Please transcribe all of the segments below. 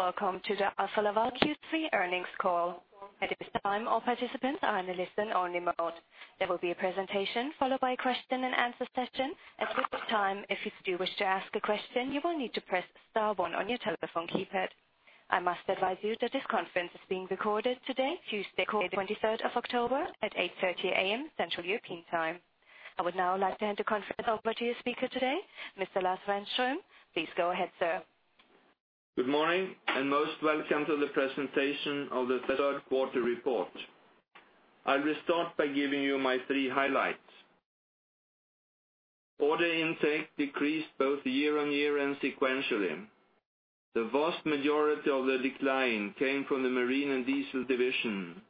Welcome to the Alfa Laval Q3 earnings call. At this time, all participants are in a listen only mode. There will be a presentation, followed by a question and answer session. At which time, if you do wish to ask a question, you will need to press star one on your telephone keypad. I must advise you that this conference is being recorded today, Tuesday, October 23rd of October, at 8:30 A.M., Central European Time. I would now like to hand the conference over to your speaker today, Mr. Lars Renström. Please go ahead, sir. Good morning, most welcome to the presentation of the third quarter report. I will start by giving you my three highlights. Order intake decreased both year-on-year and sequentially. The vast majority of the decline came from the Marine & Diesel division,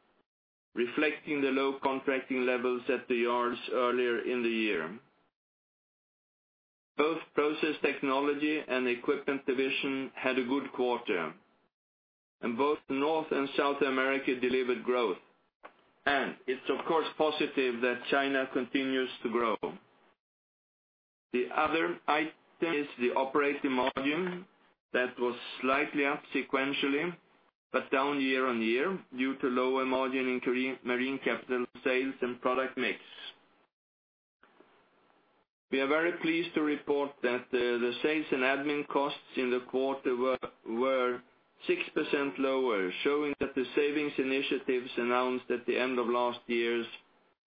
reflecting the low contracting levels at the yards earlier in the year. Both Process Technology and Equipment Division had a good quarter. Both North and South America delivered growth. It's, of course, positive that China continues to grow. The other item is the operating margin, that was slightly up sequentially, but down year-on-year, due to lower margin in marine capital sales and product mix. We are very pleased to report that the sales and admin costs in the quarter were 6% lower, showing that the savings initiatives announced at the end of last year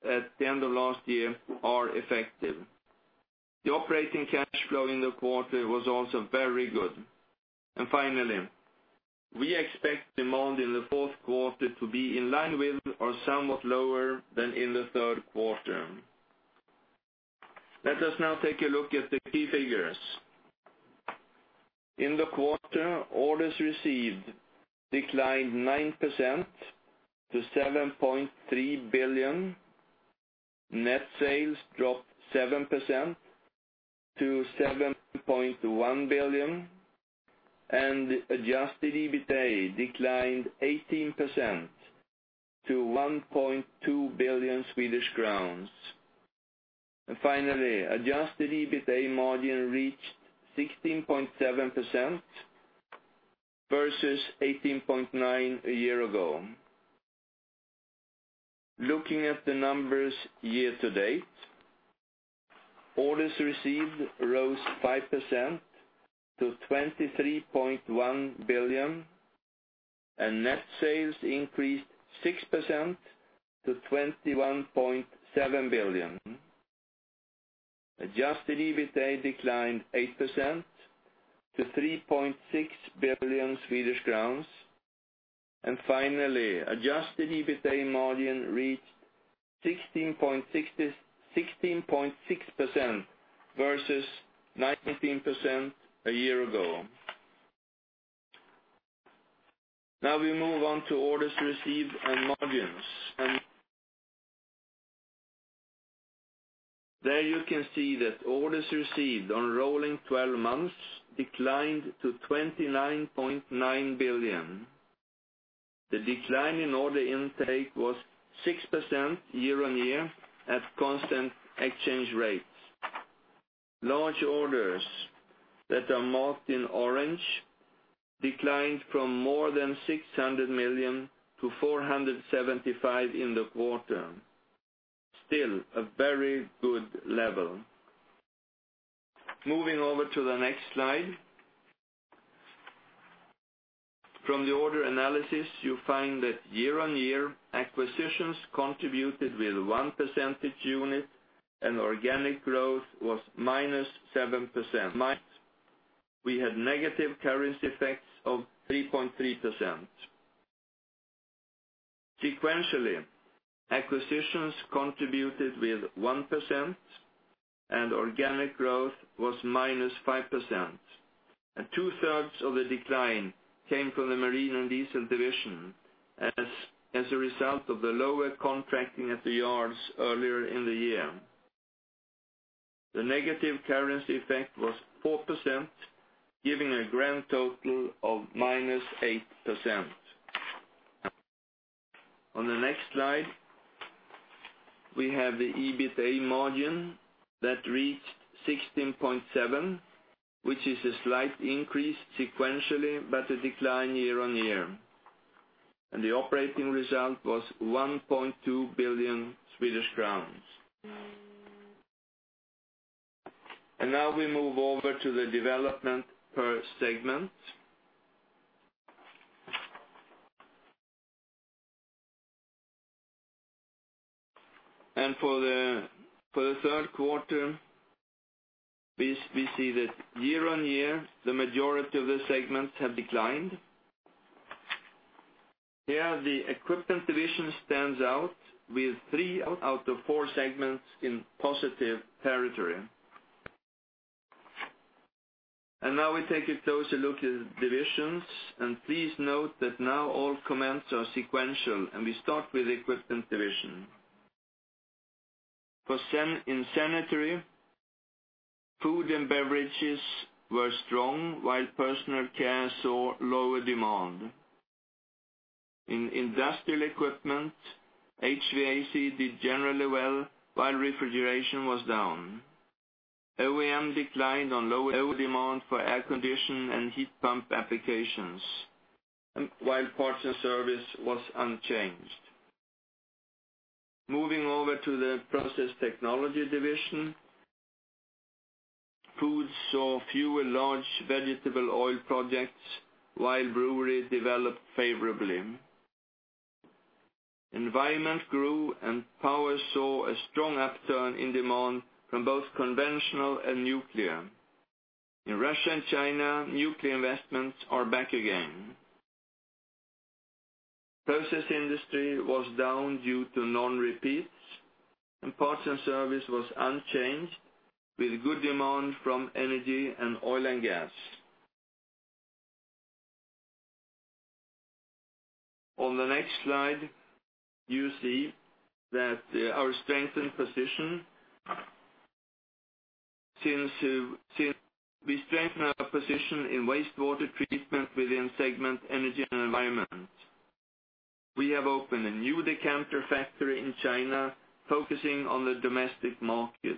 are effective. The operating cash flow in the quarter was also very good. Finally, we expect demand in the fourth quarter to be in line with or somewhat lower than in the third quarter. Let us now take a look at the key figures. In the quarter, orders received declined 9% to 7.3 billion. Net sales dropped 7% to 7.1 billion. Adjusted EBITA declined 18% to 1.2 billion Swedish crowns. Finally, adjusted EBITA margin reached 16.7% versus 18.9% a year ago. Looking at the numbers year-to-date, orders received rose 5% to 23.1 billion, net sales increased 6% to 21.7 billion. Adjusted EBITA declined 8% to 3.6 billion Swedish crowns. Finally, adjusted EBITA margin reached 16.6% versus 19% a year ago. Now we move on to orders received and margins. There you can see that orders received on rolling 12 months declined to 29.9 billion. The decline in order intake was 6% year-on-year at constant exchange rates. Large orders that are marked in orange declined from more than 600 million to 475 million in the quarter. Still, a very good level. Moving over to the next slide. From the order analysis, you find that year-on-year, acquisitions contributed with one percentage unit, organic growth was -7%. We had negative currency effects of 3.3%. Sequentially, acquisitions contributed with 1% and organic growth was -5%. Two-thirds of the decline came from the Marine & Diesel division, as a result of the lower contracting at the yards earlier in the year. The negative currency effect was 4%, giving a grand total of -8%. On the next slide, we have the EBITA margin that reached 16.7%, which is a slight increase sequentially, but a decline year-on-year. The operating result was 1.2 billion Swedish crowns. Now we move over to the development per segment. For the third quarter, we see that year-on-year, the majority of the segments have declined. Here, the Equipment Division stands out with three out of four segments in positive territory. Now we take a closer look at divisions. Please note that now all comments are sequential, and we start with Equipment Division. In sanitary, food and beverages were strong, while personal care saw lower demand. In industrial equipment, HVAC did generally well while refrigeration was down. OEM declined on lower demand for air condition and heat pump applications, while parts and service was unchanged. Moving over to the Process Technology Division. Foods saw fewer large vegetable oil projects while brewery developed favorably. Environment grew, power saw a strong upturn in demand from both conventional and nuclear. In Russia and China, nuclear investments are back again. Process Industry was down due to non-repeats, parts and service was unchanged, with good demand from energy and oil and gas. On the next slide, you see our strengthened position. We strengthen our position in wastewater treatment within segment Energy and Environment. We have opened a new decanter factory in China focusing on the domestic market.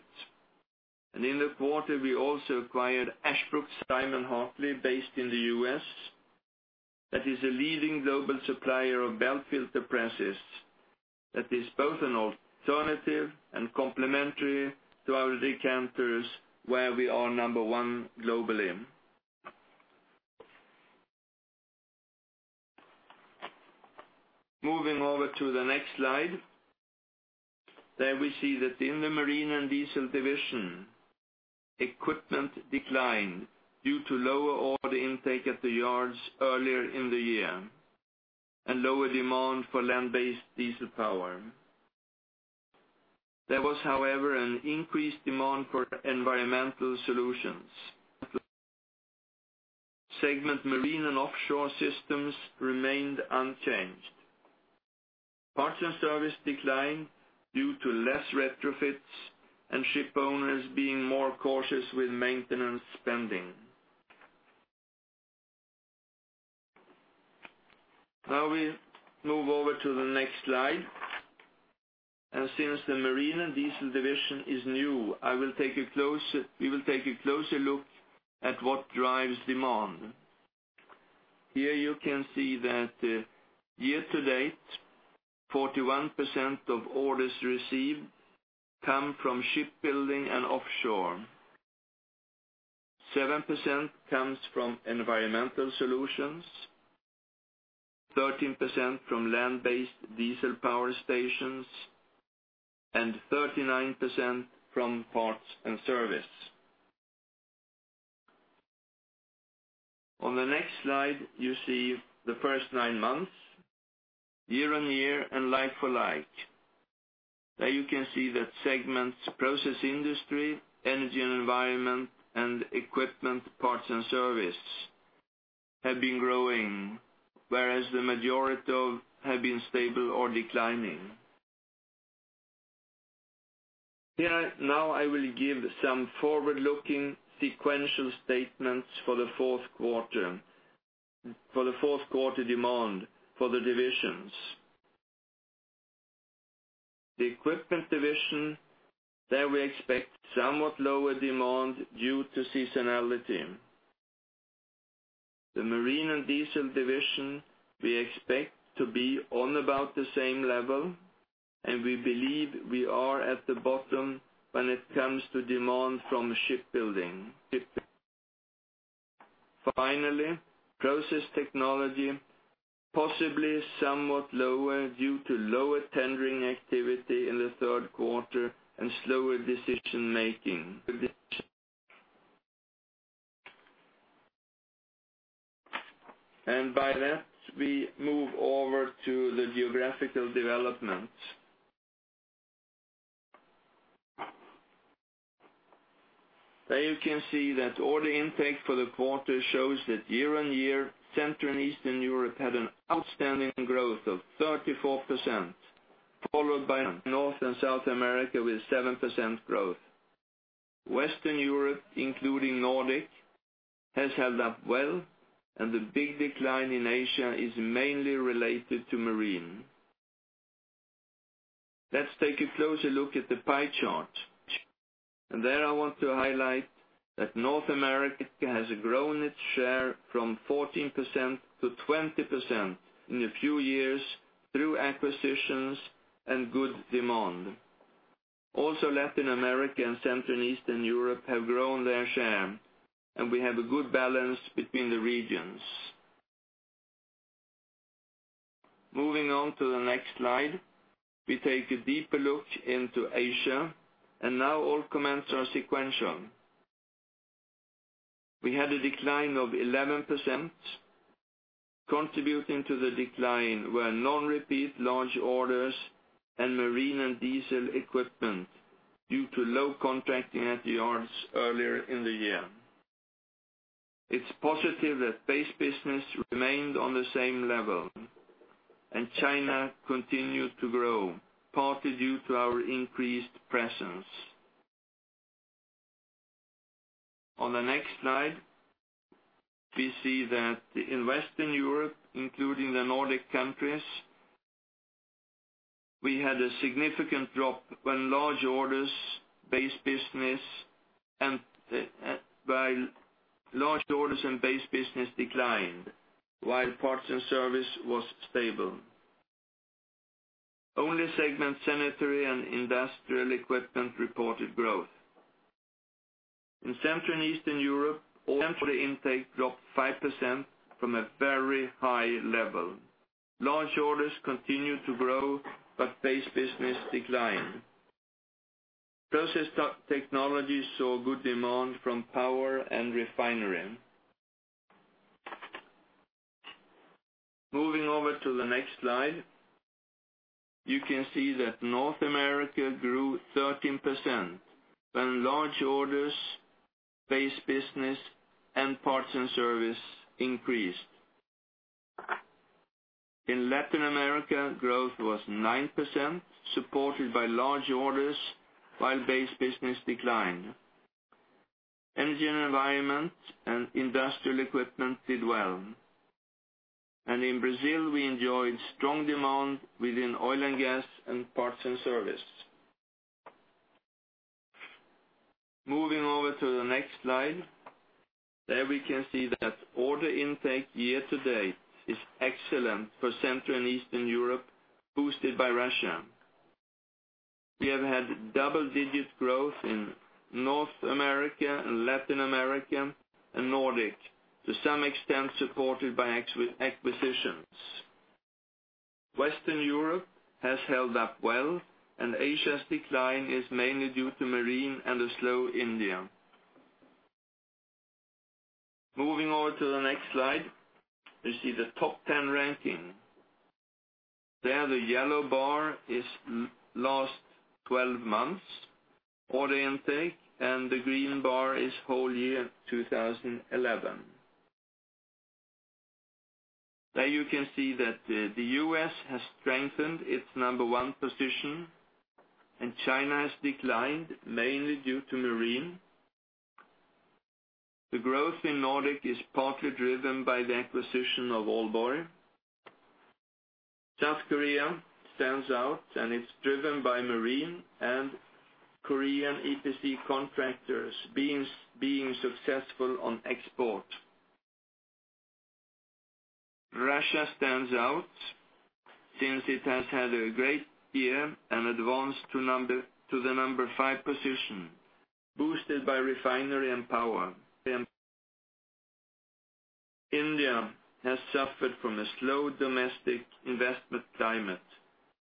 In the quarter we also acquired Ashbrook Simon-Hartley based in the U.S. That is a leading global supplier of belt filter presses that is both an alternative and complementary to our decanters, where we are number 1 globally. Moving over to the next slide. There we see that in the Marine & Diesel division, equipment declined due to lower order intake at the yards earlier in the year and lower demand for land-based diesel power. There was, however, an increased demand for environmental solutions. Segment Marine & Offshore Systems remained unchanged. Parts and service declined due to less retrofits and ship owners being more cautious with maintenance spending. Now we move over to the next slide. Since the Marine & Diesel division is new, we will take a closer look at what drives demand. Here you can see that year-to-date, 41% of orders received come from shipbuilding and offshore. 7% comes from environmental solutions, 13% from land-based diesel power stations, and 39% from parts and service. On the next slide, you see the first nine months, year-on-year and like-for-like. There you can see that segments Process Industry, Energy and Environment and Equipment Parts and Service have been growing, whereas the majority have been stable or declining. Here, now I will give some forward-looking sequential statements for the fourth quarter demand for the divisions. The Equipment Division, there we expect somewhat lower demand due to seasonality. The Marine & Diesel division, we expect to be on about the same level, and we believe we are at the bottom when it comes to demand from shipbuilding. Finally, Process Technology, possibly somewhat lower due to lower tendering activity in the third quarter and slower decision making. By that, we move over to the geographical developments. There you can see that order intake for the quarter shows that year-on-year, Central and Eastern Europe had an outstanding growth of 34%, followed by North and South America with 7% growth. Western Europe, including Nordic, has held up well, the big decline in Asia is mainly related to Marine. Let's take a closer look at the pie chart. There I want to highlight that North America has grown its share from 14% to 20% in a few years through acquisitions and good demand. Also, Latin America and Central and Eastern Europe have grown their share, and we have a good balance between the regions. Moving on to the next slide. We take a deeper look into Asia and now all comments are sequential. We had a decline of 11%. Contributing to the decline were non-repeat large orders and Marine & Diesel equipment due to low contracting at the yards earlier in the year. It's positive that base business remained on the same level, and China continued to grow, partly due to our increased presence On the next slide, we see that in Western Europe, including the Nordic countries, we had a significant drop when large orders, base business declined, while parts and service was stable. Only segment sanitary and industrial equipment reported growth. In Central and Eastern Europe, order intake dropped 5% from a very high level. Large orders continued to grow, but base business declined. Process Technology saw good demand from power and refinery. Moving over to the next slide, you can see that North America grew 13%, when large orders, base business, and parts and service increased. In Latin America, growth was 9%, supported by large orders while base business declined. Energy and environment and industrial equipment did well. In Brazil, we enjoyed strong demand within oil and gas and parts and service. Moving over to the next slide. There we can see that order intake year to date is excellent for Central and Eastern Europe, boosted by Russia. We have had double-digit growth in North America and Latin America and Nordic, to some extent supported by acquisitions. Western Europe has held up well, and Asia's decline is mainly due to Marine and the slow India. Moving over to the next slide, you see the top 10 ranking. There, the yellow bar is last 12 months order intake, and the green bar is whole year 2011. There you can see that the U.S. has strengthened its number 1 position and China has declined mainly due to Marine. The growth in Nordic is partly driven by the acquisition of Aalborg. South Korea stands out and it's driven by Marine and Korean EPC contractors being successful on export. Russia stands out since it has had a great year and advanced to the number 5 position, boosted by refinery and power. India has suffered from a slow domestic investment climate.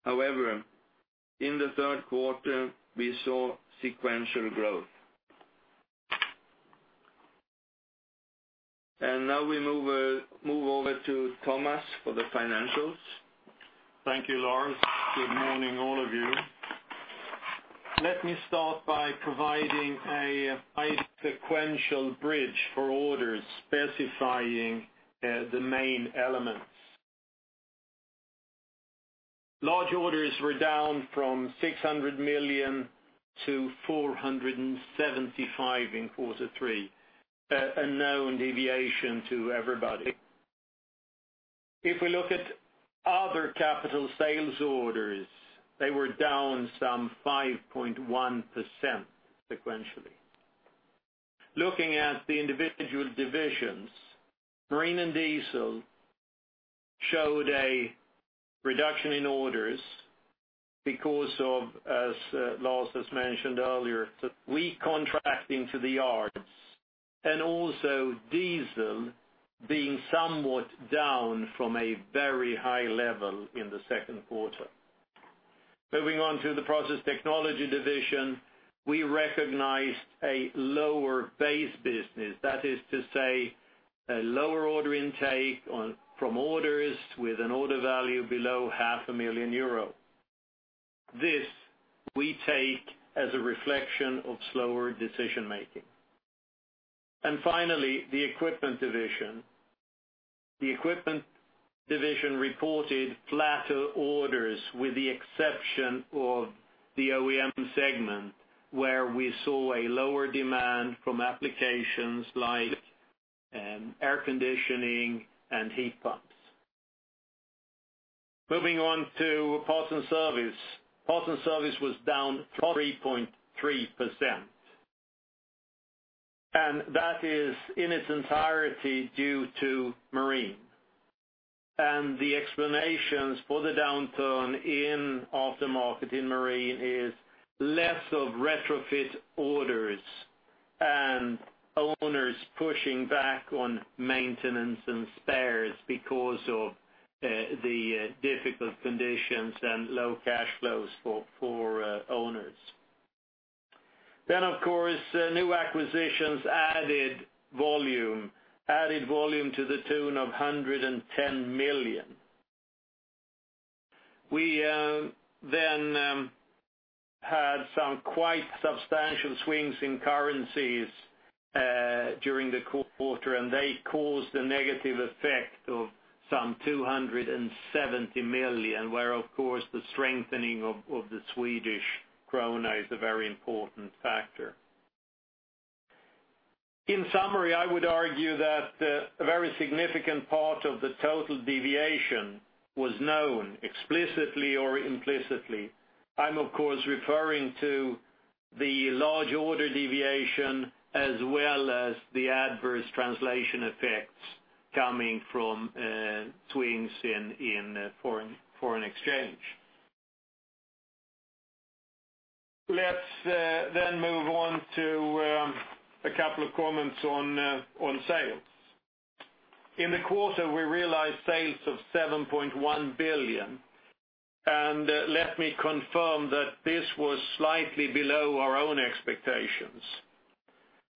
However, in the third quarter, we saw sequential growth. Now we move over to Thomas for the financials. Thank you, Lars. Good morning, all of you. Let me start by providing a bi-sequential bridge for orders specifying the main elements. Large orders were down from 600 million to 475 million in Q3, a known deviation to everybody. If we look at other capital sales orders, they were down some 5.1% sequentially. Looking at the individual divisions, Marine & Diesel showed a reduction in orders because of, as Lars has mentioned earlier, the recontracting to the yards and also diesel being somewhat down from a very high level in the second quarter. Moving on to the Process Technology Division, we recognized a lower base business. That is to say, a lower order intake from orders with an order value below half a million EUR. This we take as a reflection of slower decision-making. Finally, the Equipment Division. The Equipment Division reported flatter orders with the exception of the OEM segment, where we saw a lower demand from applications like air conditioning and heat pumps. Moving on to parts and service. Parts and service was down 3.3%. That is in its entirety due to Marine. The explanations for the downturn in aftermarket in Marine is less of retrofit orders and owners pushing back on maintenance and spares because of the difficult conditions and low cash flows for owners. Of course, new acquisitions added volume to the tune of 110 million. We had some quite substantial swings in currencies, during the quarter, they caused a negative effect of 270 million, where, of course, the strengthening of the Swedish krona is a very important factor. In summary, I would argue that a very significant part of the total deviation was known explicitly or implicitly. I'm, of course, referring to the large order deviation as well as the adverse translation effects coming from swings in foreign exchange. Let's move on to a couple of comments on sales. In the quarter, we realized sales of 7.1 billion, let me confirm that this was slightly below our own expectations.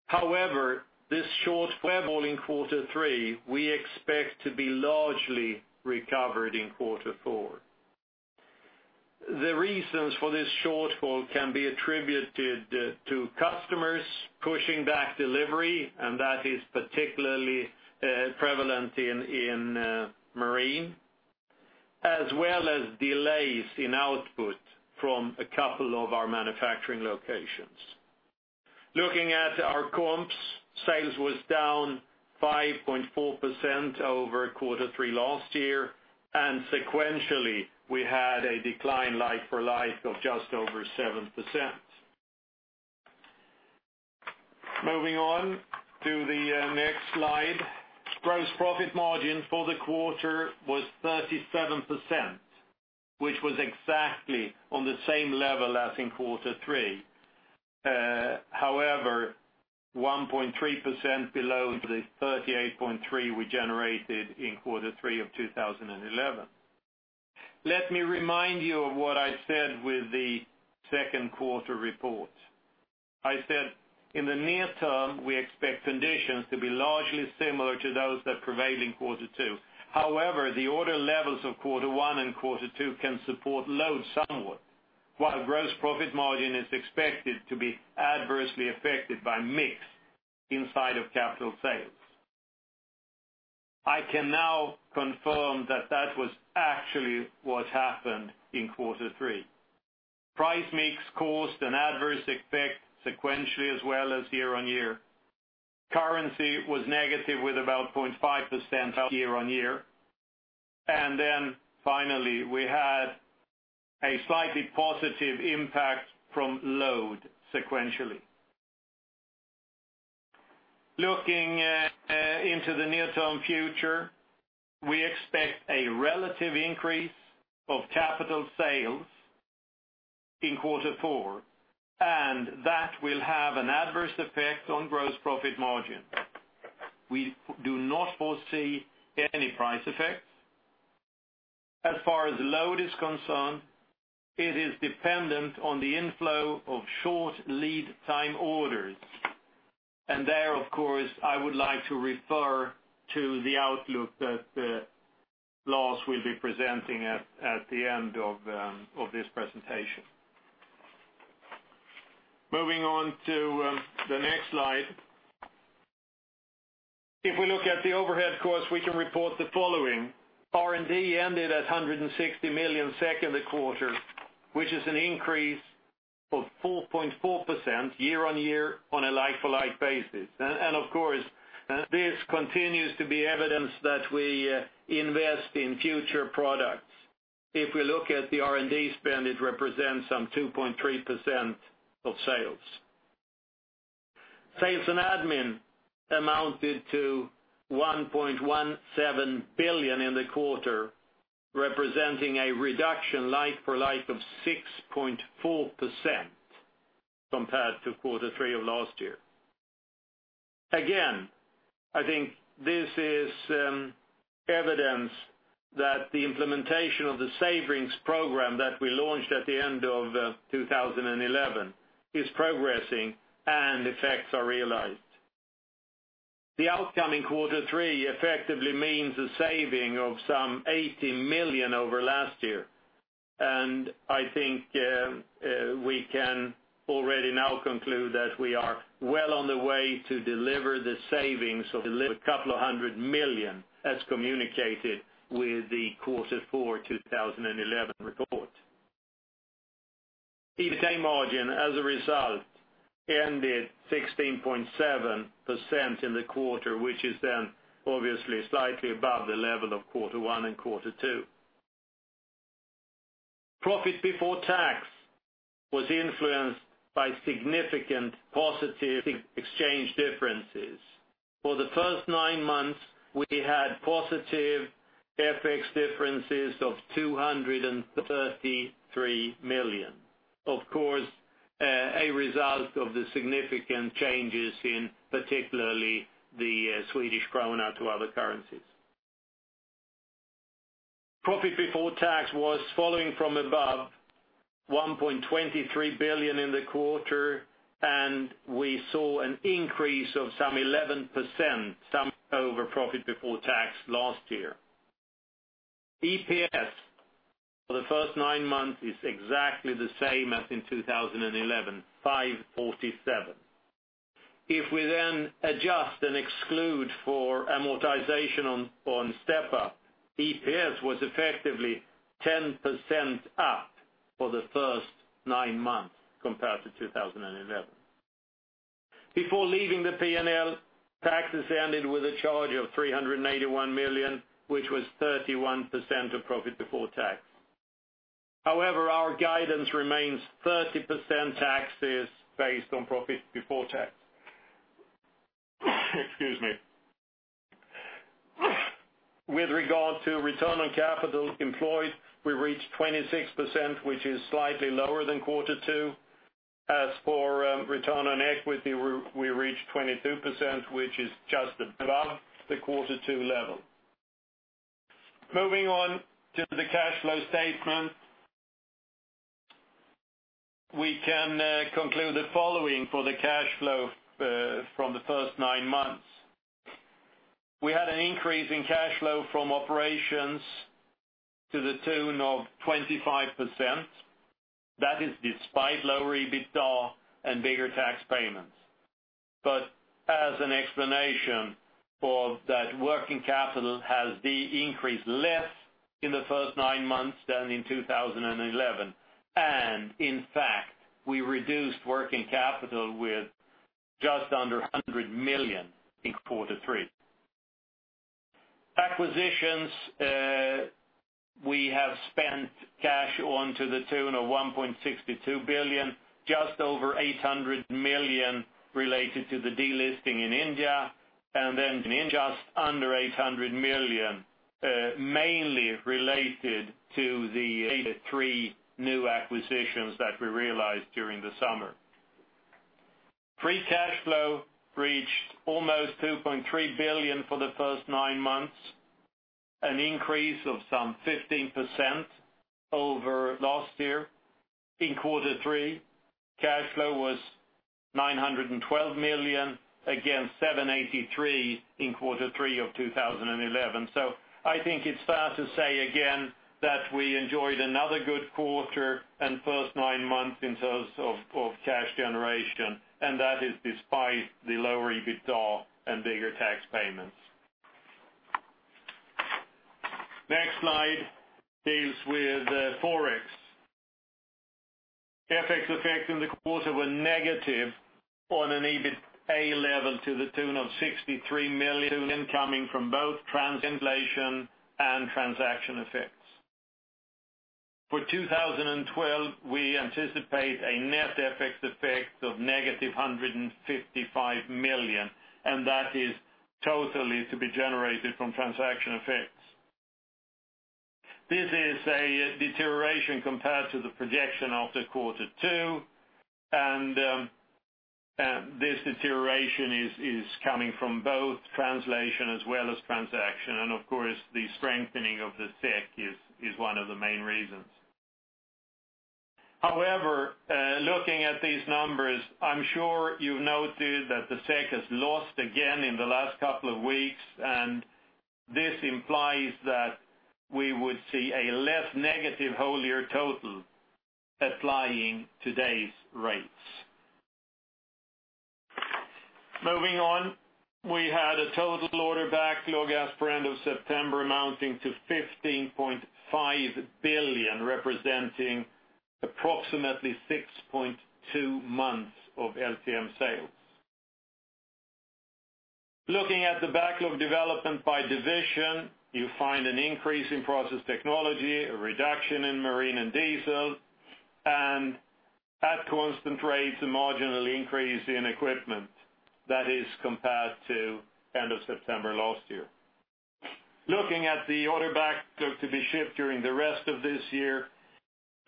However, this shortfall in Q3, we expect to be largely recovered in Q4. The reasons for this shortfall can be attributed to customers pushing back delivery, that is particularly prevalent in Marine, as well as delays in output from a couple of our manufacturing locations. Looking at our comps, sales was down 5.4% over Q3 last year, sequentially, we had a decline like-for-like of just over 7%. Moving on to the next slide. Gross profit margin for the quarter was 37%, which was exactly on the same level as in Q3. However, 1.3% below the 38.3% we generated in Q3 2011. Let me remind you of what I said with the second quarter report. I said, in the near term, we expect conditions to be largely similar to those that prevailed in Q2. However, the order levels of Q1 and Q2 can support load somewhat, while gross profit margin is expected to be adversely affected by mix inside of capital sales. I can now confirm that that was actually what happened in Q3. Price mix caused an adverse effect sequentially, as well as year-on-year. Currency was negative with about 0.5% year-on-year. Finally, we had a slightly positive impact from load sequentially. Looking into the near term future, we expect a relative increase of capital sales in Q4, that will have an adverse effect on gross profit margin. We do not foresee any price effects. As far as load is concerned, it is dependent on the inflow of short lead time orders. There, of course, I would like to refer to the outlook that Lars will be presenting at the end of this presentation. Moving on to the next slide. If we look at the overhead costs, we can report the following. R&D ended at 160 million second quarter, which is an increase of 4.4% year-on-year on a like-for-like basis. Of course, this continues to be evidence that we invest in future products. If we look at the R&D spend, it represents some 2.3% of sales. Sales and admin amounted to 1.17 billion in the quarter, representing a reduction like for like of 6.4% compared to Q3 of last year. I think this is evidence that the implementation of the savings program that we launched at the end of 2011 is progressing and effects are realized. The outcoming Q3 effectively means a saving of some 80 million over last year. I think we can already now conclude that we are well on the way to deliver the savings of SEK a couple of hundred million, as communicated with the Q4 2011 report. EBITA margin, as a result, ended 16.7% in the quarter, which is then obviously slightly above the level of Q1 and Q2. Profit before tax was influenced by significant positive exchange differences. For the first nine months, we had positive FX differences of 233 million. Of course, a result of the significant changes in particularly the Swedish krona to other currencies. Profit before tax was following from above 1.23 billion in the quarter. We saw an increase of some 11%, some over profit before tax last year. EPS for the first nine months is exactly the same as in 2011, 547. If we then adjust and exclude for amortization on step up, EPS was effectively 10% up for the first nine months compared to 2011. Before leaving the P&L, tax is ended with a charge of 381 million, which was 31% of profit before tax. However, our guidance remains 30% taxes based on profit before tax. Excuse me. With regard to return on capital employed, we reached 26%, which is slightly lower than quarter two. As for return on equity, we reached 22%, which is just above the quarter two level. Moving on to the cash flow statement. We can conclude the following for the cash flow from the first nine months. We had an increase in cash flow from operations to the tune of 25%. That is despite lower EBITDA and bigger tax payments. As an explanation for that, working capital has increased less in the first nine months than in 2011. In fact, we reduced working capital with just under 100 million in quarter three. Acquisitions, we have spent cash on to the tune of 1.62 billion, just over 800 million related to the delisting in India. Then in just under 800 million, mainly related to the three new acquisitions that we realized during the summer. Free cash flow reached almost 2.3 billion for the first nine months, an increase of some 15% over last year. In quarter three, cash flow was 912 million against 783 million in quarter three of 2011. I think it's fair to say, again, that we enjoyed another good quarter and first nine months in terms of cash generation, and that is despite the lower EBITDA and bigger tax payments. Next slide deals with FX. FX effect in the quarter were negative on an EBITA level to the tune of 63 million coming from both translation and transaction effects. For 2012, we anticipate a net FX effect of negative 155 million, and that is totally to be generated from transaction effects. This is a deterioration compared to the projection of the quarter two, and this deterioration is coming from both translation as well as transaction. Of course, the strengthening of the SEK is one of the main reasons. However, looking at these numbers, I'm sure you've noted that the SEK has lost again in the last couple of weeks, and this implies that we would see a less negative whole year total applying today's rates. Moving on, we had a total order backlog as per end of September amounting to 15.5 billion, representing approximately 6.2 months of LTM sales. Looking at the backlog development by division, you find an increase in Process Technology, a reduction in Marine & Diesel, and at constant rates, a marginal increase in Equipment. That is compared to end of September last year. Looking at the order backlog to be shipped during the rest of this year,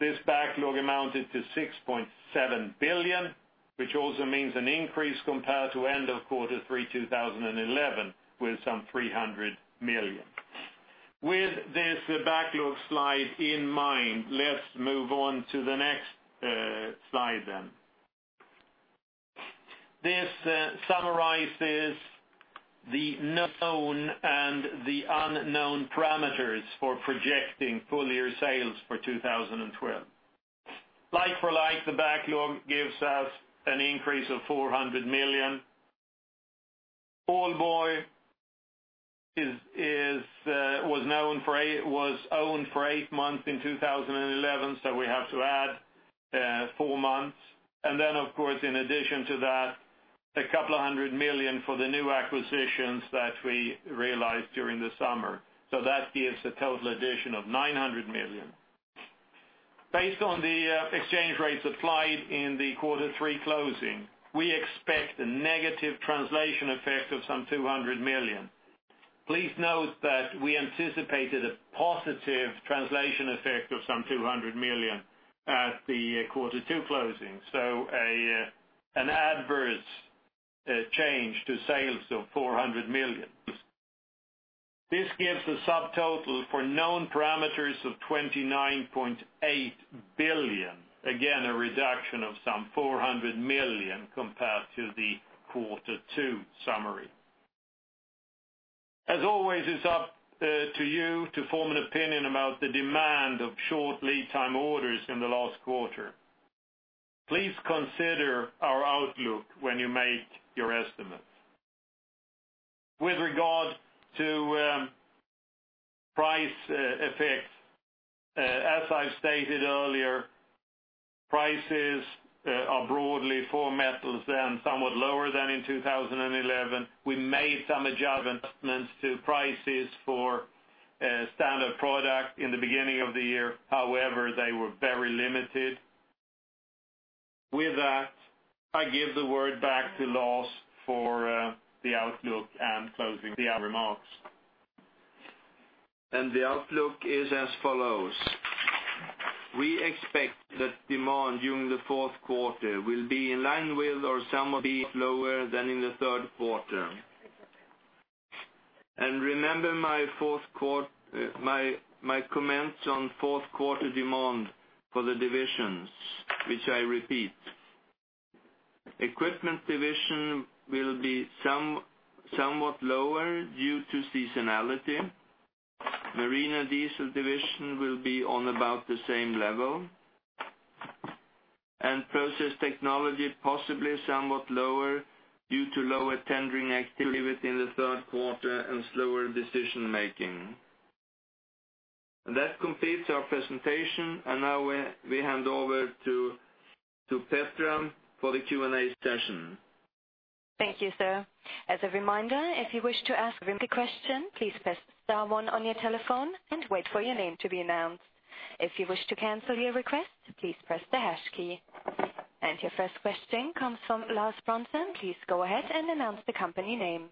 this backlog amounted to 6.7 billion, which also means an increase compared to end of quarter three 2011 with some 300 million. With this backlog slide in mind, let's move on to the next slide. This summarizes the known and the unknown parameters for projecting full-year sales for 2012. Like for like, the backlog gives us an increase of 400 million. Aalborg was owned for eight months in 2011, so we have to add four months. Then, of course, in addition to that, 200 million for the new acquisitions that we realized during the summer. That gives a total addition of 900 million. Based on the exchange rates applied in the quarter three closing, we expect a negative translation effect of some 200 million. Please note that we anticipated a positive translation effect of some 200 million at the quarter two closing. An adverse change to sales of 400 million. This gives a subtotal for known parameters of 29.8 billion. Again, a reduction of some 400 million compared to the quarter two summary. As always, it's up to you to form an opinion about the demand of short lead time orders in the last quarter. Please consider our outlook when you make your estimate. With regard to price effect, as I stated earlier, prices are broadly for metals and somewhat lower than in 2011. We made some adjustments to prices for standard product in the beginning of the year. However, they were very limited. With that, I give the word back to Lars for the outlook and closing the remarks. The outlook is as follows. We expect that demand during the fourth quarter will be in line with or somewhat lower than in the third quarter. Remember my comments on fourth quarter demand for the divisions, which I repeat. Equipment Division will be somewhat lower due to seasonality. Marine & Diesel division will be on about the same level. Process Technology, possibly somewhat lower due to lower tendering activity within the third quarter and slower decision-making. That completes our presentation, and now we hand over to Petram for the Q&A session. Thank you, sir. As a reminder, if you wish to ask a question, please press star one on your telephone and wait for your name to be announced. If you wish to cancel your request, please press the hash key. Your first question comes from Lars Brorson. Please go ahead and announce the company name.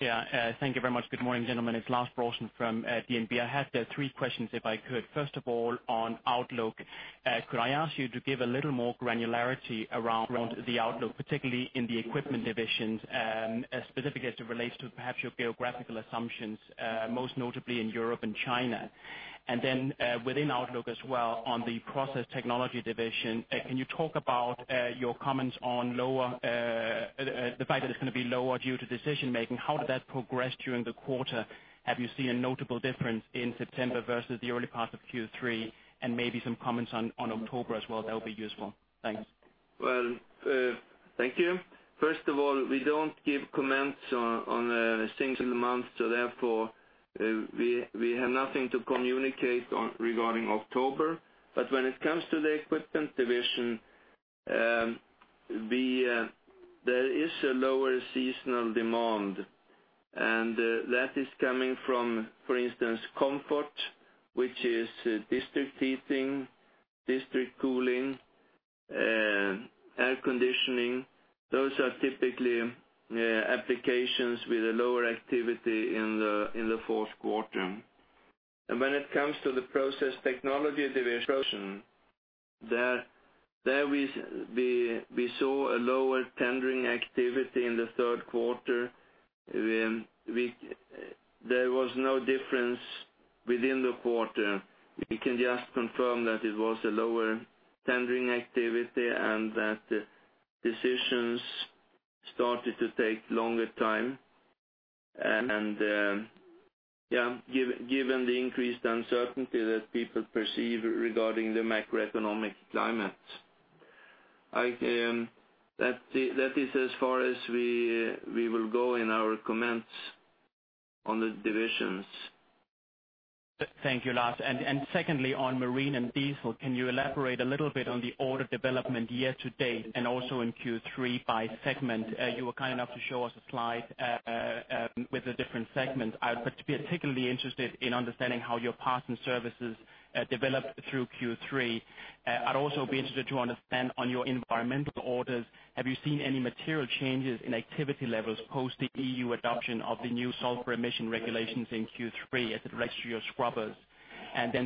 Thank you very much. Good morning, gentlemen. It's Lars Brorson from DNB. I had three questions, if I could. First of all, on outlook, could I ask you to give a little more granularity around the outlook, particularly in the Equipment Division, specifically as it relates to perhaps your geographical assumptions, most notably in Europe and China? Within outlook as well on the Process Technology Division, can you talk about your comments on the fact that it's going to be lower due to decision-making? How did that progress during the quarter? Have you seen a notable difference in September versus the early part of Q3, and maybe some comments on October as well? That will be useful. Thanks. Thank you. First of all, we don't give comments on a single month, so therefore, we have nothing to communicate regarding October. When it comes to the Equipment Division, there is a lower seasonal demand, and that is coming from, for instance, comfort, which is district heating, district cooling, air conditioning. Those are typically applications with a lower activity in the fourth quarter. When it comes to the Process Technology Division, there we saw a lower tendering activity in the third quarter. There was no difference within the quarter. We can just confirm that it was a lower tendering activity and that decisions started to take longer time, and given the increased uncertainty that people perceive regarding the macroeconomic climate. That is as far as we will go in our comments on the divisions. Thank you, Lars. Secondly, on Marine and Diesel, can you elaborate a little bit on the order development year to date and also in Q3 by segment? You were kind enough to show us a slide with the different segments. I'd be particularly interested in understanding how your parts and services developed through Q3. I'd also be interested to understand on your environmental orders, have you seen any material changes in activity levels post the EU adoption of the new sulfur emission regulations in Q3 as it relates to your scrubbers?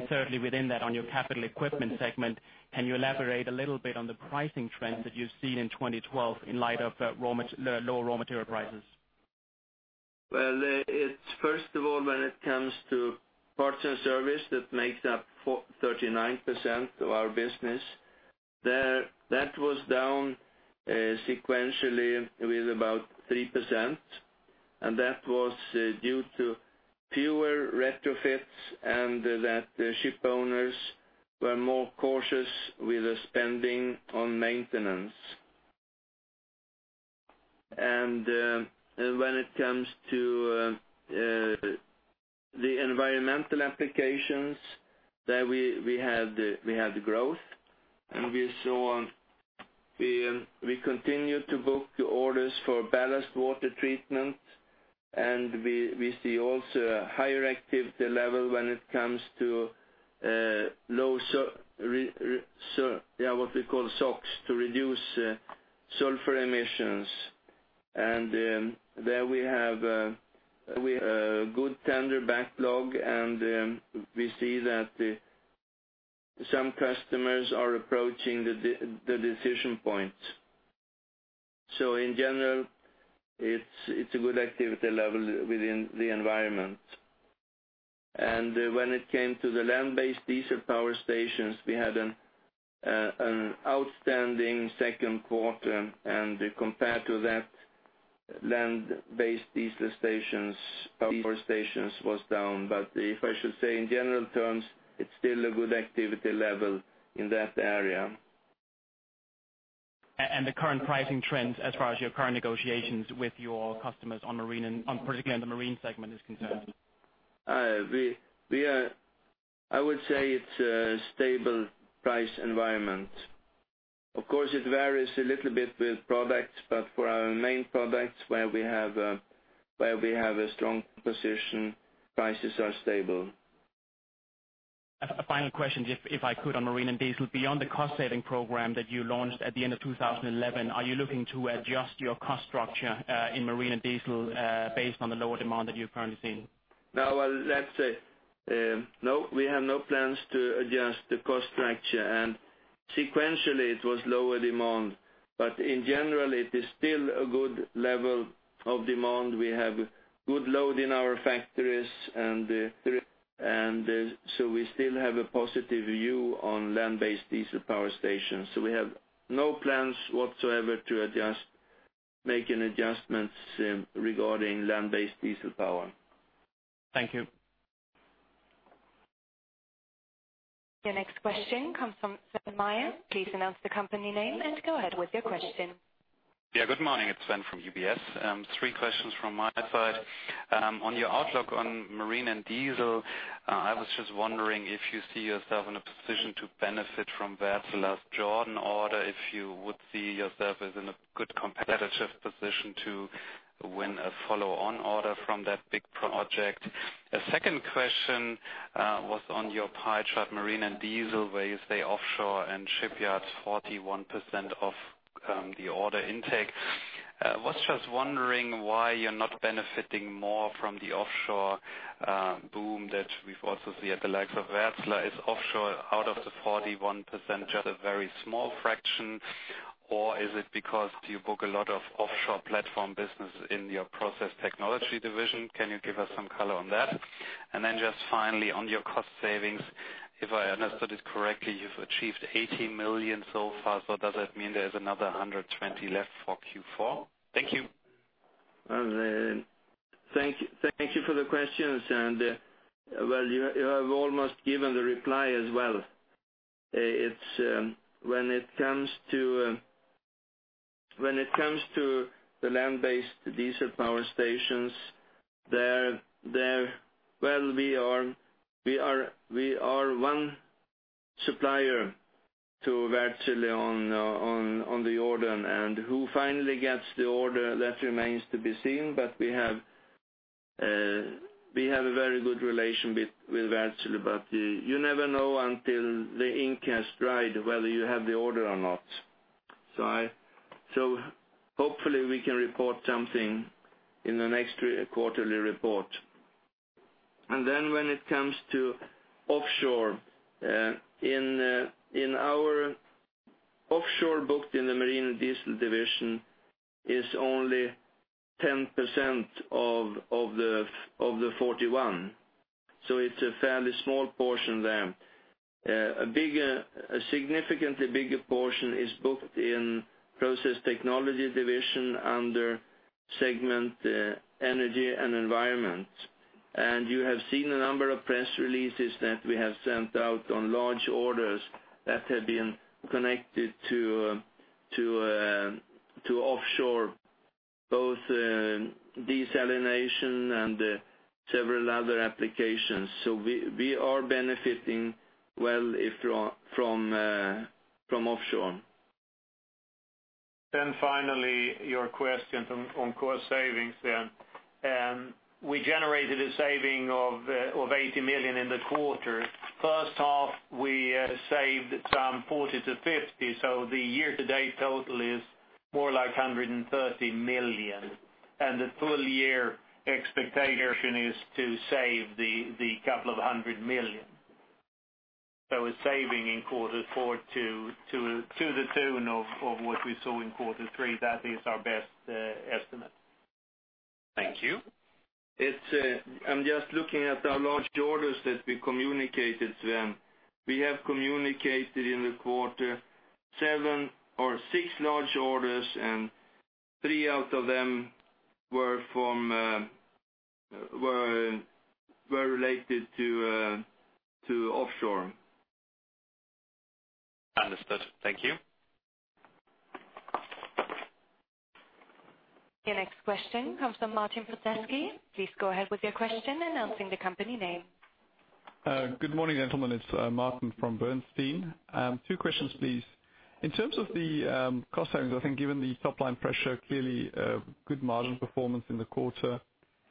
Thirdly, within that, on your capital equipment segment, can you elaborate a little bit on the pricing trends that you've seen in 2012 in light of the low raw material prices? First of all, when it comes to parts and service, that makes up 39% of our business. That was down sequentially with about 3%, and that was due to fewer retrofits and that ship owners were more cautious with spending on maintenance. When it comes to the environmental applications, there we had growth, and we continue to book orders for ballast water treatment, and we see also a higher activity level when it comes to what we call SOx to reduce sulfur emissions. There we have a good tender backlog, and we see that some customers are approaching the decision point. In general, it's a good activity level within the environment. When it came to the land-based diesel power stations, we had an outstanding second quarter. Compared to that land-based diesel stations, power stations was down. If I should say in general terms, it's still a good activity level in that area. The current pricing trends as far as your current negotiations with your customers on particularly the Marine segment is concerned. I would say it's a stable price environment. Of course, it varies a little bit with products, but for our main products where we have a strong position, prices are stable. A final question, if I could, on Marine and Diesel. Beyond the cost-saving program that you launched at the end of 2011, are you looking to adjust your cost structure, in Marine and Diesel, based on the lower demand that you're currently seeing? No, we have no plans to adjust the cost structure. Sequentially, it was lower demand. In general, it is still a good level of demand. We have good load in our factories. We still have a positive view on land-based diesel power stations. We have no plans whatsoever to make any adjustments regarding land-based diesel power. Thank you. Your next question comes from Sven Weier. Please announce the company name and go ahead with your question. Yeah, good morning. It's Sven from UBS. Three questions from my side. On your outlook on Marine & Diesel, I was just wondering if you see yourself in a position to benefit from Wärtsilä's Jordan order, if you would see yourself as in a good competitive position to win a follow-on order from that big project. A second question, was on your pie chart, Marine & Diesel, where you say offshore and shipyards, 41% of the order intake. I was just wondering why you're not benefiting more from the offshore boom that we've also seen at the likes of Wärtsilä. Is offshore, out of the 41%, just a very small fraction, or is it because you book a lot of offshore platform business in your Process Technology Division? Can you give us some color on that? Just finally on your cost savings, if I understood it correctly, you've achieved 80 million so far, does that mean there's another 120 left for Q4? Thank you. Thank you for the questions. Well, you have almost given the reply as well. When it comes to the land-based diesel power stations, we are one supplier to Wärtsilä on the order. Who finally gets the order, that remains to be seen. We have a very good relation with Wärtsilä. You never know until the ink has dried whether you have the order or not. Hopefully we can report something in the next quarterly report. When it comes to offshore, in our offshore book in the Marine & Diesel division is only 10% of the 41%. It's a fairly small portion there. A significantly bigger portion is booked in Process Technology Division under segment energy and environment. You have seen a number of press releases that we have sent out on large orders that have been connected to offshore, both desalination and several other applications. We are benefiting well from offshore. Finally, your question on cost savings. We generated a saving of 80 million in the quarter. First half, we saved some 40 million to 50 million, so the year-to-date total is more like 130 million. The full year expectation is to save the couple of hundred million SEK. A saving in quarter four to the tune of what we saw in quarter three, that is our best estimate. Thank you. I'm just looking at our large orders that we communicated, Sven. We have communicated in the quarter seven or six large orders, and three out of them were related to offshore. Understood. Thank you. Your next question comes from Martin Prozesky. Please go ahead with your question, announcing the company name. Good morning, gentlemen. It's Martin from Bernstein. Two questions, please. In terms of the cost savings, I think given the top-line pressure, clearly a good margin performance in the quarter.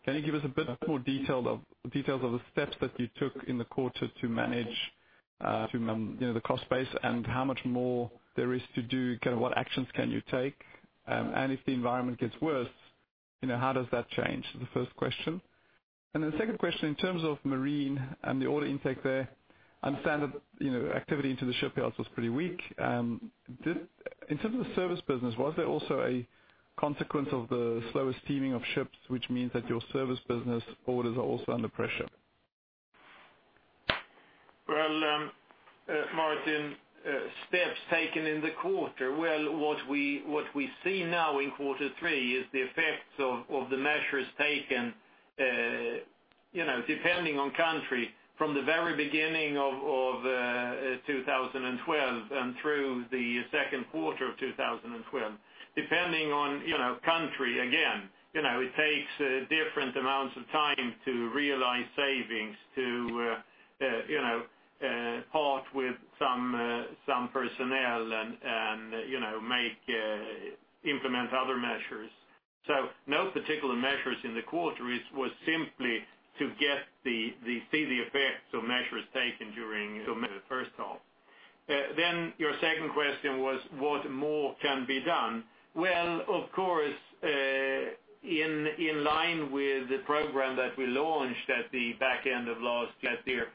Can you give us a bit more details of the steps that you took in the quarter to manage the cost base, and how much more there is to do, what actions can you take? If the environment gets worse, how does that change? The first question. The second question, in terms of marine and the order intake there I understand that activity into the shipyards was pretty weak. In terms of the service business, was there also a consequence of the slower steaming of ships, which means that your service business orders are also under pressure? Martin, steps taken in the quarter. What we see now in quarter three is the effects of the measures taken, depending on country, from the very beginning of 2012 and through the second quarter of 2012. Depending on country, again, it takes different amounts of time to realize savings, to part with some personnel and implement other measures. No particular measures in the quarter, it was simply to see the effects of measures taken during first half. Your second question was what more can be done. Of course, in line with the program that we launched at the back end of last year,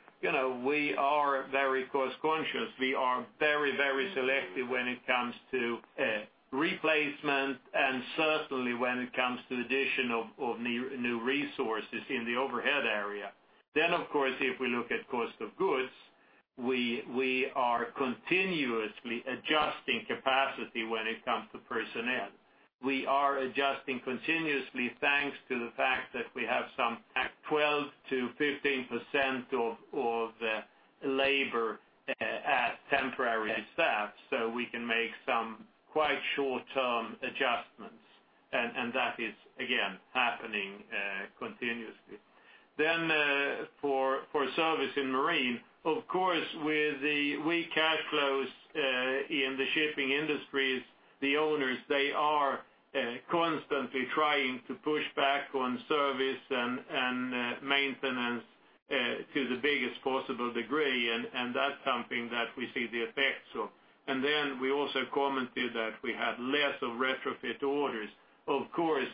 we are very cost conscious. We are very selective when it comes to replacement and certainly when it comes to the addition of new resources in the overhead area. Of course, if we look at cost of goods, we are continuously adjusting capacity when it comes to personnel. We are adjusting continuously thanks to the fact that we have some 12%-15% of labor as temporary staff, so we can make some quite short-term adjustments. That is, again, happening continuously. For service in marine, of course, with the weak cash flows in the shipping industries, the owners, they are constantly trying to push back on service and maintenance to the biggest possible degree, and that's something that we see the effects of. We also commented that we had less of retrofit orders. Of course,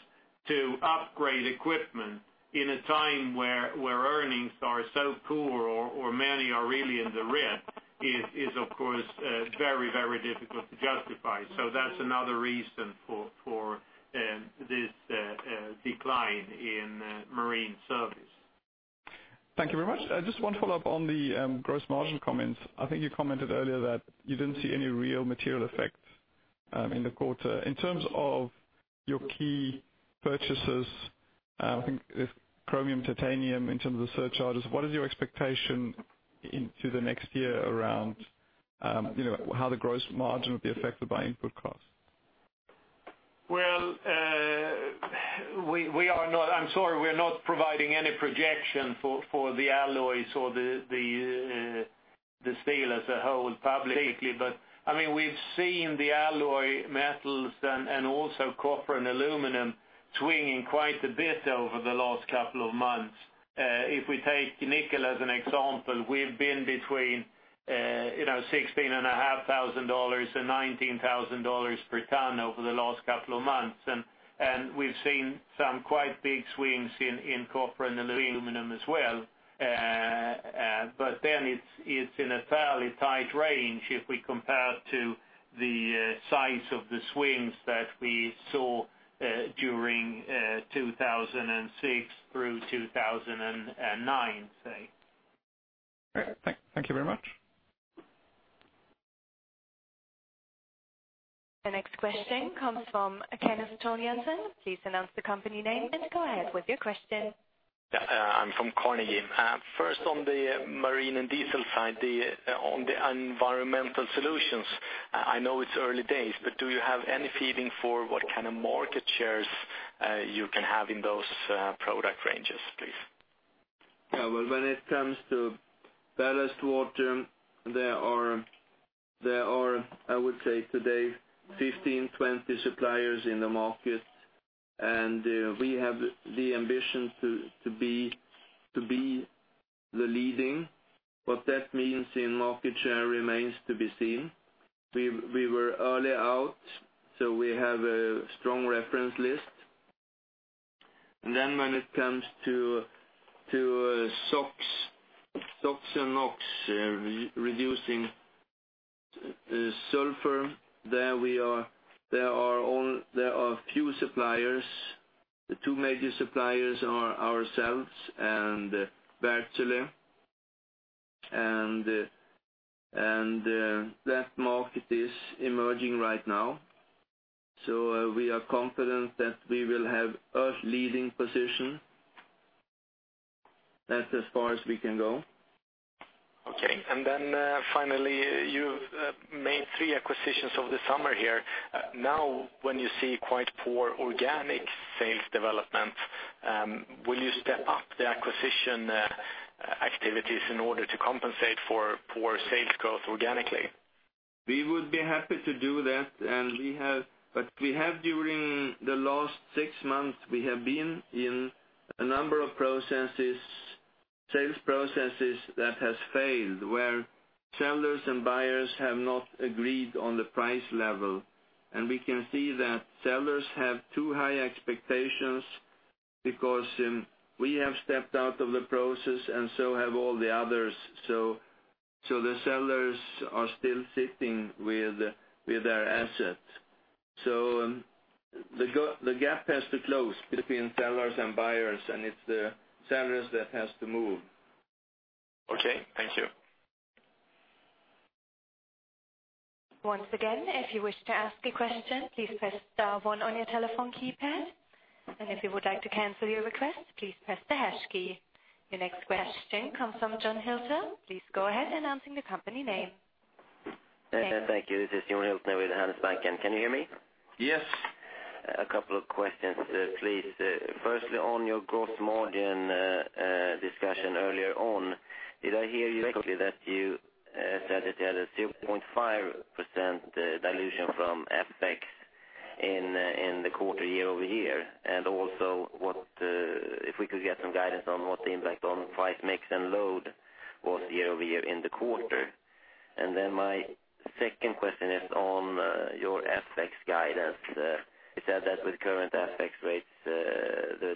to upgrade equipment in a time where earnings are so poor or many are really in the red is, of course, very difficult to justify. That's another reason for this decline in marine service. Thank you very much. Just one follow-up on the gross margin comments. I think you commented earlier that you didn't see any real material effect in the quarter. In terms of your key purchases, I think chromium, titanium in terms of the surcharges, what is your expectation into the next year around how the gross margin will be affected by input costs? I'm sorry, we are not providing any projection for the alloys or the steel as a whole publicly. We've seen the alloy metals and also copper and aluminum swinging quite a bit over the last couple of months. If we take nickel as an example, we've been between $16,500 and $19,000 per ton over the last couple of months. We've seen some quite big swings in copper and aluminum as well. It's in a fairly tight range if we compare to the size of the swings that we saw during 2006 through 2009, say. Thank you very much. The next question comes from Kenneth Teunissen. Please announce the company name, and go ahead with your question. I'm from Carnegie. First, on the Marine & Diesel side, on the environmental solutions, I know it's early days, but do you have any feeling for what kind of market shares you can have in those product ranges, please? When it comes to ballast water, there are, I would say today, 15, 20 suppliers in the market, and we have the ambition to be the leading. What that means in market share remains to be seen. We were early out, so we have a strong reference list. When it comes to SOx and NOx reducing sulfur, there are few suppliers. The two major suppliers are ourselves and Wärtsilä. That market is emerging right now. We are confident that we will have a leading position. That's as far as we can go. Okay. Then finally, you've made three acquisitions over the summer here. Now, when you see quite poor organic sales development, will you step up the acquisition activities in order to compensate for poor sales growth organically? We would be happy to do that. We have during the last six months, we have been in a number of sales processes that has failed, where sellers and buyers have not agreed on the price level. We can see that sellers have too high expectations Because we have stepped out of the process and so have all the others. The sellers are still sitting with their assets. The gap has to close between sellers and buyers, and it's the sellers that has to move. Okay, thank you. Once again, if you wish to ask a question, please press star one on your telephone keypad, and if you would like to cancel your request, please press the hash key. Your next question comes from Johan Hultén. Please go ahead, announcing the company name. Thank you. This is Johan Hultén with Handelsbanken, can you hear me? Yes. A couple of questions, please. Firstly, on your gross margin discussion earlier on, did I hear you correctly that you said that you had a 0.5% dilution from FX in the quarter year-over-year? Also, if we could get some guidance on what the impact on price mix and load was year-over-year in the quarter. Then my second question is on your FX guidance. You said that with current FX rates, the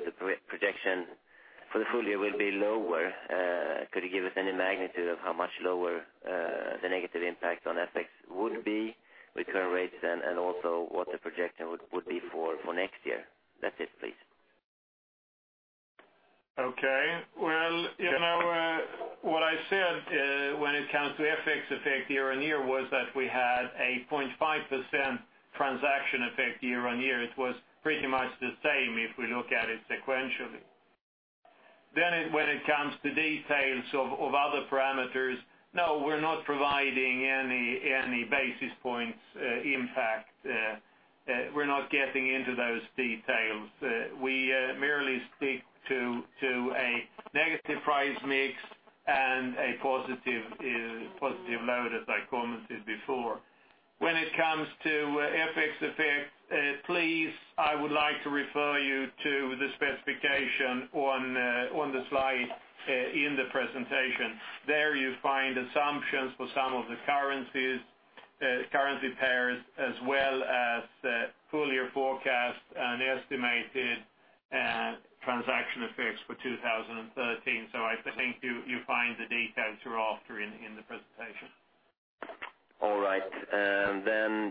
projection for the full year will be lower. Could you give us any magnitude of how much lower the negative impact on FX would be with current rates and also what the projection would be for next year? That's it, please. Okay. Well, what I said, when it comes to FX effect year-on-year, was that we had a 0.5% transaction effect year-on-year. It was pretty much the same if we look at it sequentially. When it comes to details of other parameters, no, we're not providing any basis points impact. We're not getting into those details. We merely speak to a negative price mix and a positive load, as I commented before. When it comes to FX effect, please, I would like to refer you to the specification on the slide in the presentation. There you find assumptions for some of the currency pairs, as well as the full year forecast and estimated transaction effects for 2013. I think you'll find the details you're after in the presentation. All right.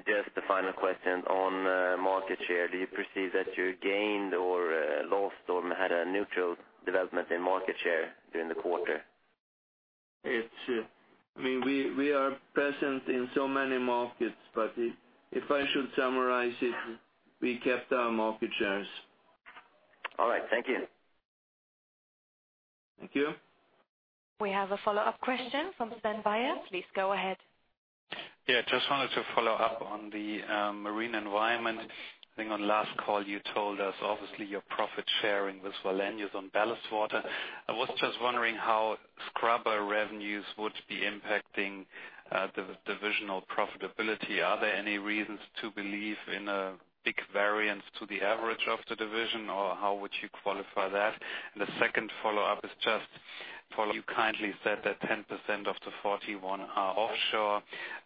Just the final question on market share. Do you perceive that you gained or lost or had a neutral development in market share during the quarter? We are present in so many markets, but if I should summarize it, we kept our market shares. All right. Thank you. Thank you. We have a follow-up question from Sven Weier. Please go ahead. Yeah, just wanted to follow up on the marine environment. I think on last call you told us, obviously, you're profit-sharing with Wallenius on ballast water. I was just wondering how scrubber revenues would be impacting divisional profitability. Are there any reasons to believe in a big variance to the average of the division, or how would you qualify that? The second follow-up is just, you kindly said that 10% of the 41 are offshore.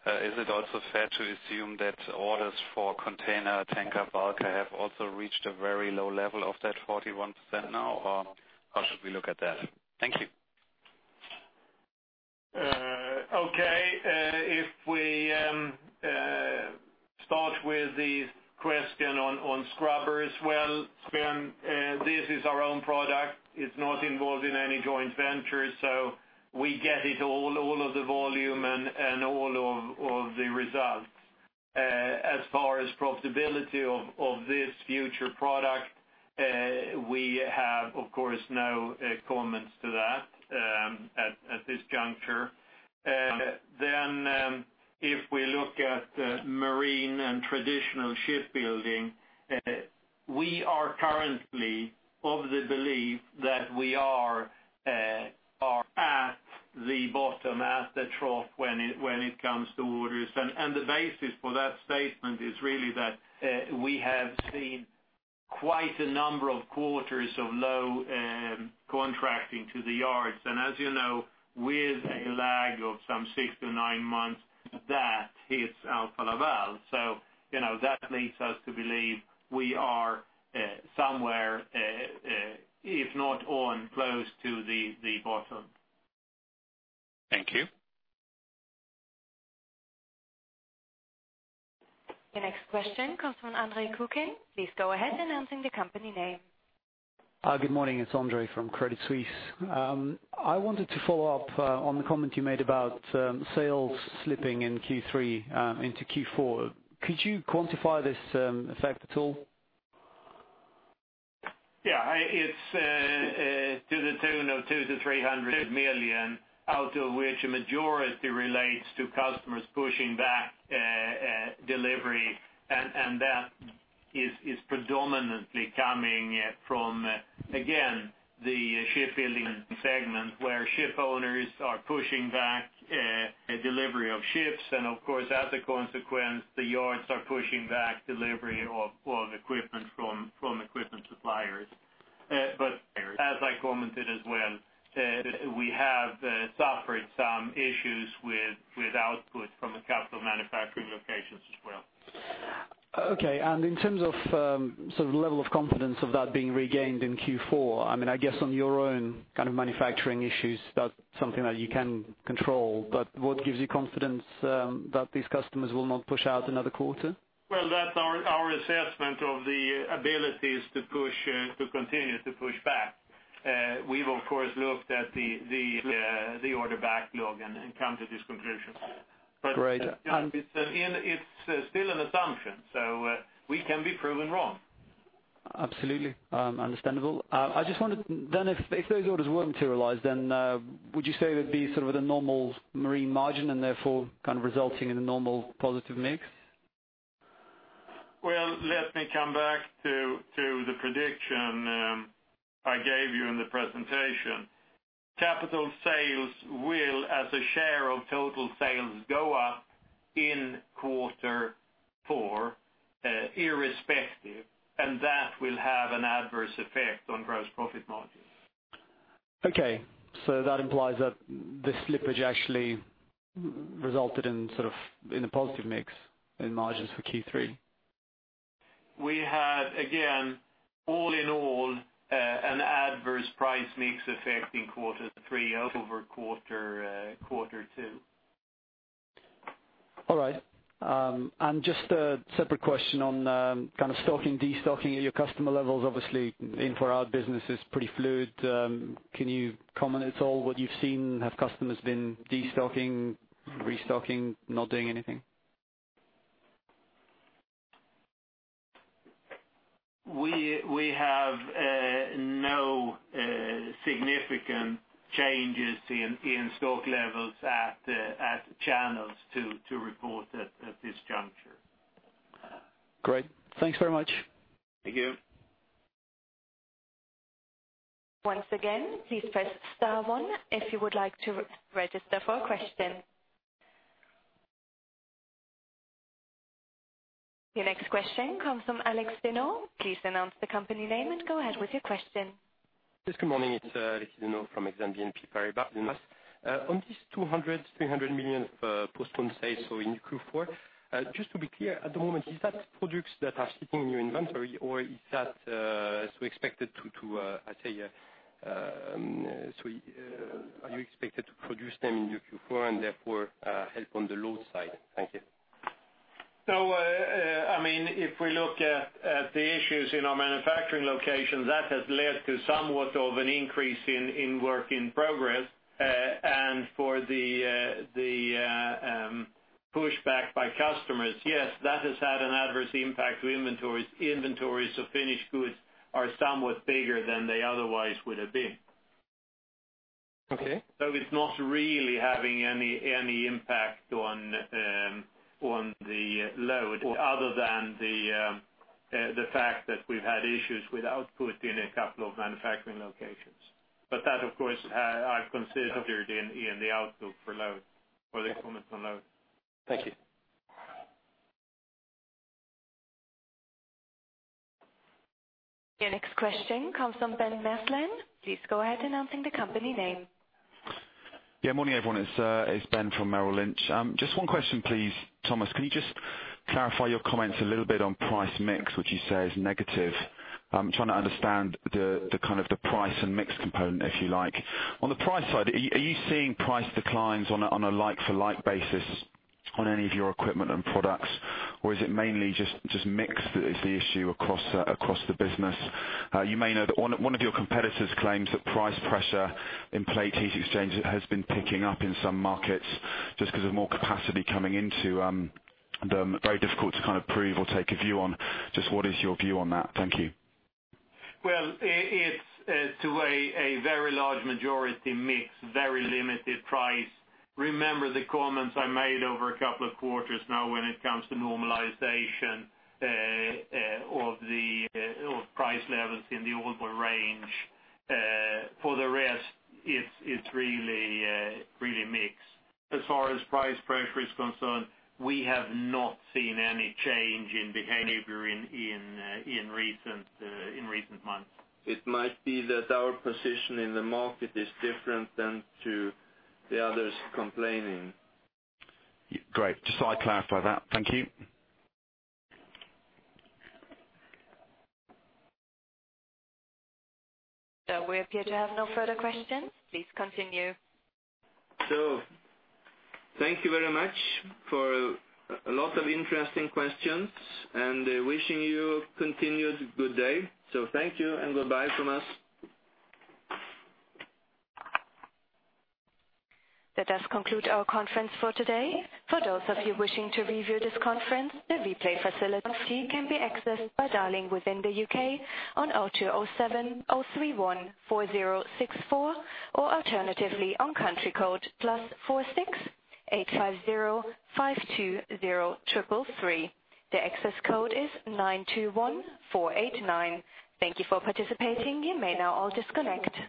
Is it also fair to assume that orders for container tanker bulk have also reached a very low level of that 41% now, or how should we look at that? Thank you. Okay. If we start with the question on scrubbers, well, Sven, this is our own product. It's not involved in any joint ventures, so we get it all of the volume and all of the results. As far as profitability of this future product, we have, of course, no comments to that at this juncture. If we look at marine and traditional shipbuilding, we are currently of the belief that we are at the bottom, at the trough, when it comes to orders. The basis for that statement is really that we have seen quite a number of quarters of low contracting to the yards. As you know, with a lag of some six to nine months, that hits Alfa Laval. That leads us to believe we are somewhere, if not on, close to the bottom. Thank you. Your next question comes from Andre Kuken. Please go ahead, announcing the company name. Good morning. It is Andre from Credit Suisse. I wanted to follow up on the comment you made about sales slipping in Q3 into Q4. Could you quantify this effect at all? Yeah. It is to the tune of 200 million-300 million, out of which a majority relates to customers pushing back delivery. That is predominantly coming from, again, the shipbuilding segment, where ship owners are pushing back delivery of ships. Of course, as a consequence, the yards are pushing back delivery of equipment from equipment suppliers. As I commented as well, we have suffered some issues with output from a couple of manufacturing locations as well. Okay. In terms of level of confidence of that being regained in Q4, I guess on your own kind of manufacturing issues, that's something that you can control. What gives you confidence that these customers will not push out another quarter? Well, that's our assessment of the abilities to continue to push back. We've, of course, looked at the order backlog and come to this conclusion. Great. It's still an assumption, so we can be proven wrong. Absolutely. Understandable. I just wondered then, if those orders were to materialize, then would you say it would be sort of the normal marine margin and therefore kind of resulting in a normal positive mix? Well, let me come back to the prediction I gave you in the presentation. Capital sales will, as a share of total sales, go up in quarter four irrespective, and that will have an adverse effect on gross profit margins. Okay. That implies that the slippage actually resulted in a positive mix in margins for Q3. We had, again, all in all, an adverse price mix effect in quarter three over quarter two. All right. Just a separate question on kind of stocking, de-stocking at your customer levels. Obviously, in for out business is pretty fluid. Can you comment at all what you've seen? Have customers been de-stocking, restocking, not doing anything? We have no significant changes in stock levels at channels to report at this juncture. Great. Thanks very much. Thank you. Once again, please press star one if you would like to register for a question. Your next question comes from Alex Dineo. Please announce the company name and go ahead with your question. Yes, good morning. It's Alex Dineo from Exane BNP Paribas. On this 200 million-300 million of postponed sales in Q4, just to be clear at the moment, is that products that are sitting in your inventory, or are you expected to produce them in your Q4 and therefore help on the load side? Thank you. If we look at the issues in our manufacturing location, that has led to somewhat of an increase in work in progress. For the pushback by customers, yes, that has had an adverse impact to inventories. Inventories of finished goods are somewhat bigger than they otherwise would have been. Okay. It's not really having any impact on the load other than the fact that we've had issues with output in a couple of manufacturing locations. That, of course, are considered in the outlook for load. For the comments on load. Thank you. Your next question comes from Ben Messlin. Please go ahead announcing the company name. Morning, everyone. It's Ben from Merrill Lynch. Just one question, please, Thomas, can you just clarify your comments a little bit on price mix, which you say is negative? I'm trying to understand the price and mix component, if you like. On the price side, are you seeing price declines on a like for like basis on any of your equipment and products? Or is it mainly just mix that is the issue across the business? You may know that one of your competitors claims that price pressure in plate heat exchangers has been picking up in some markets just because of more capacity coming into them. Very difficult to kind of prove or take a view on. Just what is your view on that? Thank you. It's to a very large majority mix, very limited price. Remember the comments I made over a couple of quarters now when it comes to normalization of price levels in the order range. For the rest, it's really mix. As far as price pressure is concerned, we have not seen any change in behavior in recent months. It might be that our position in the market is different than to the others complaining. Great. Just so I clarify that. Thank you. We appear to have no further questions. Please continue. Thank you very much for a lot of interesting questions. Wishing you continued good day. Thank you, and goodbye from us. That does conclude our conference for today. For those of you wishing to review this conference, the replay facility can be accessed by dialing within the U.K. on 0207 031 4064, or alternatively, on country code +46 850 520 333. The access code is 921489. Thank you for participating. You may now all disconnect.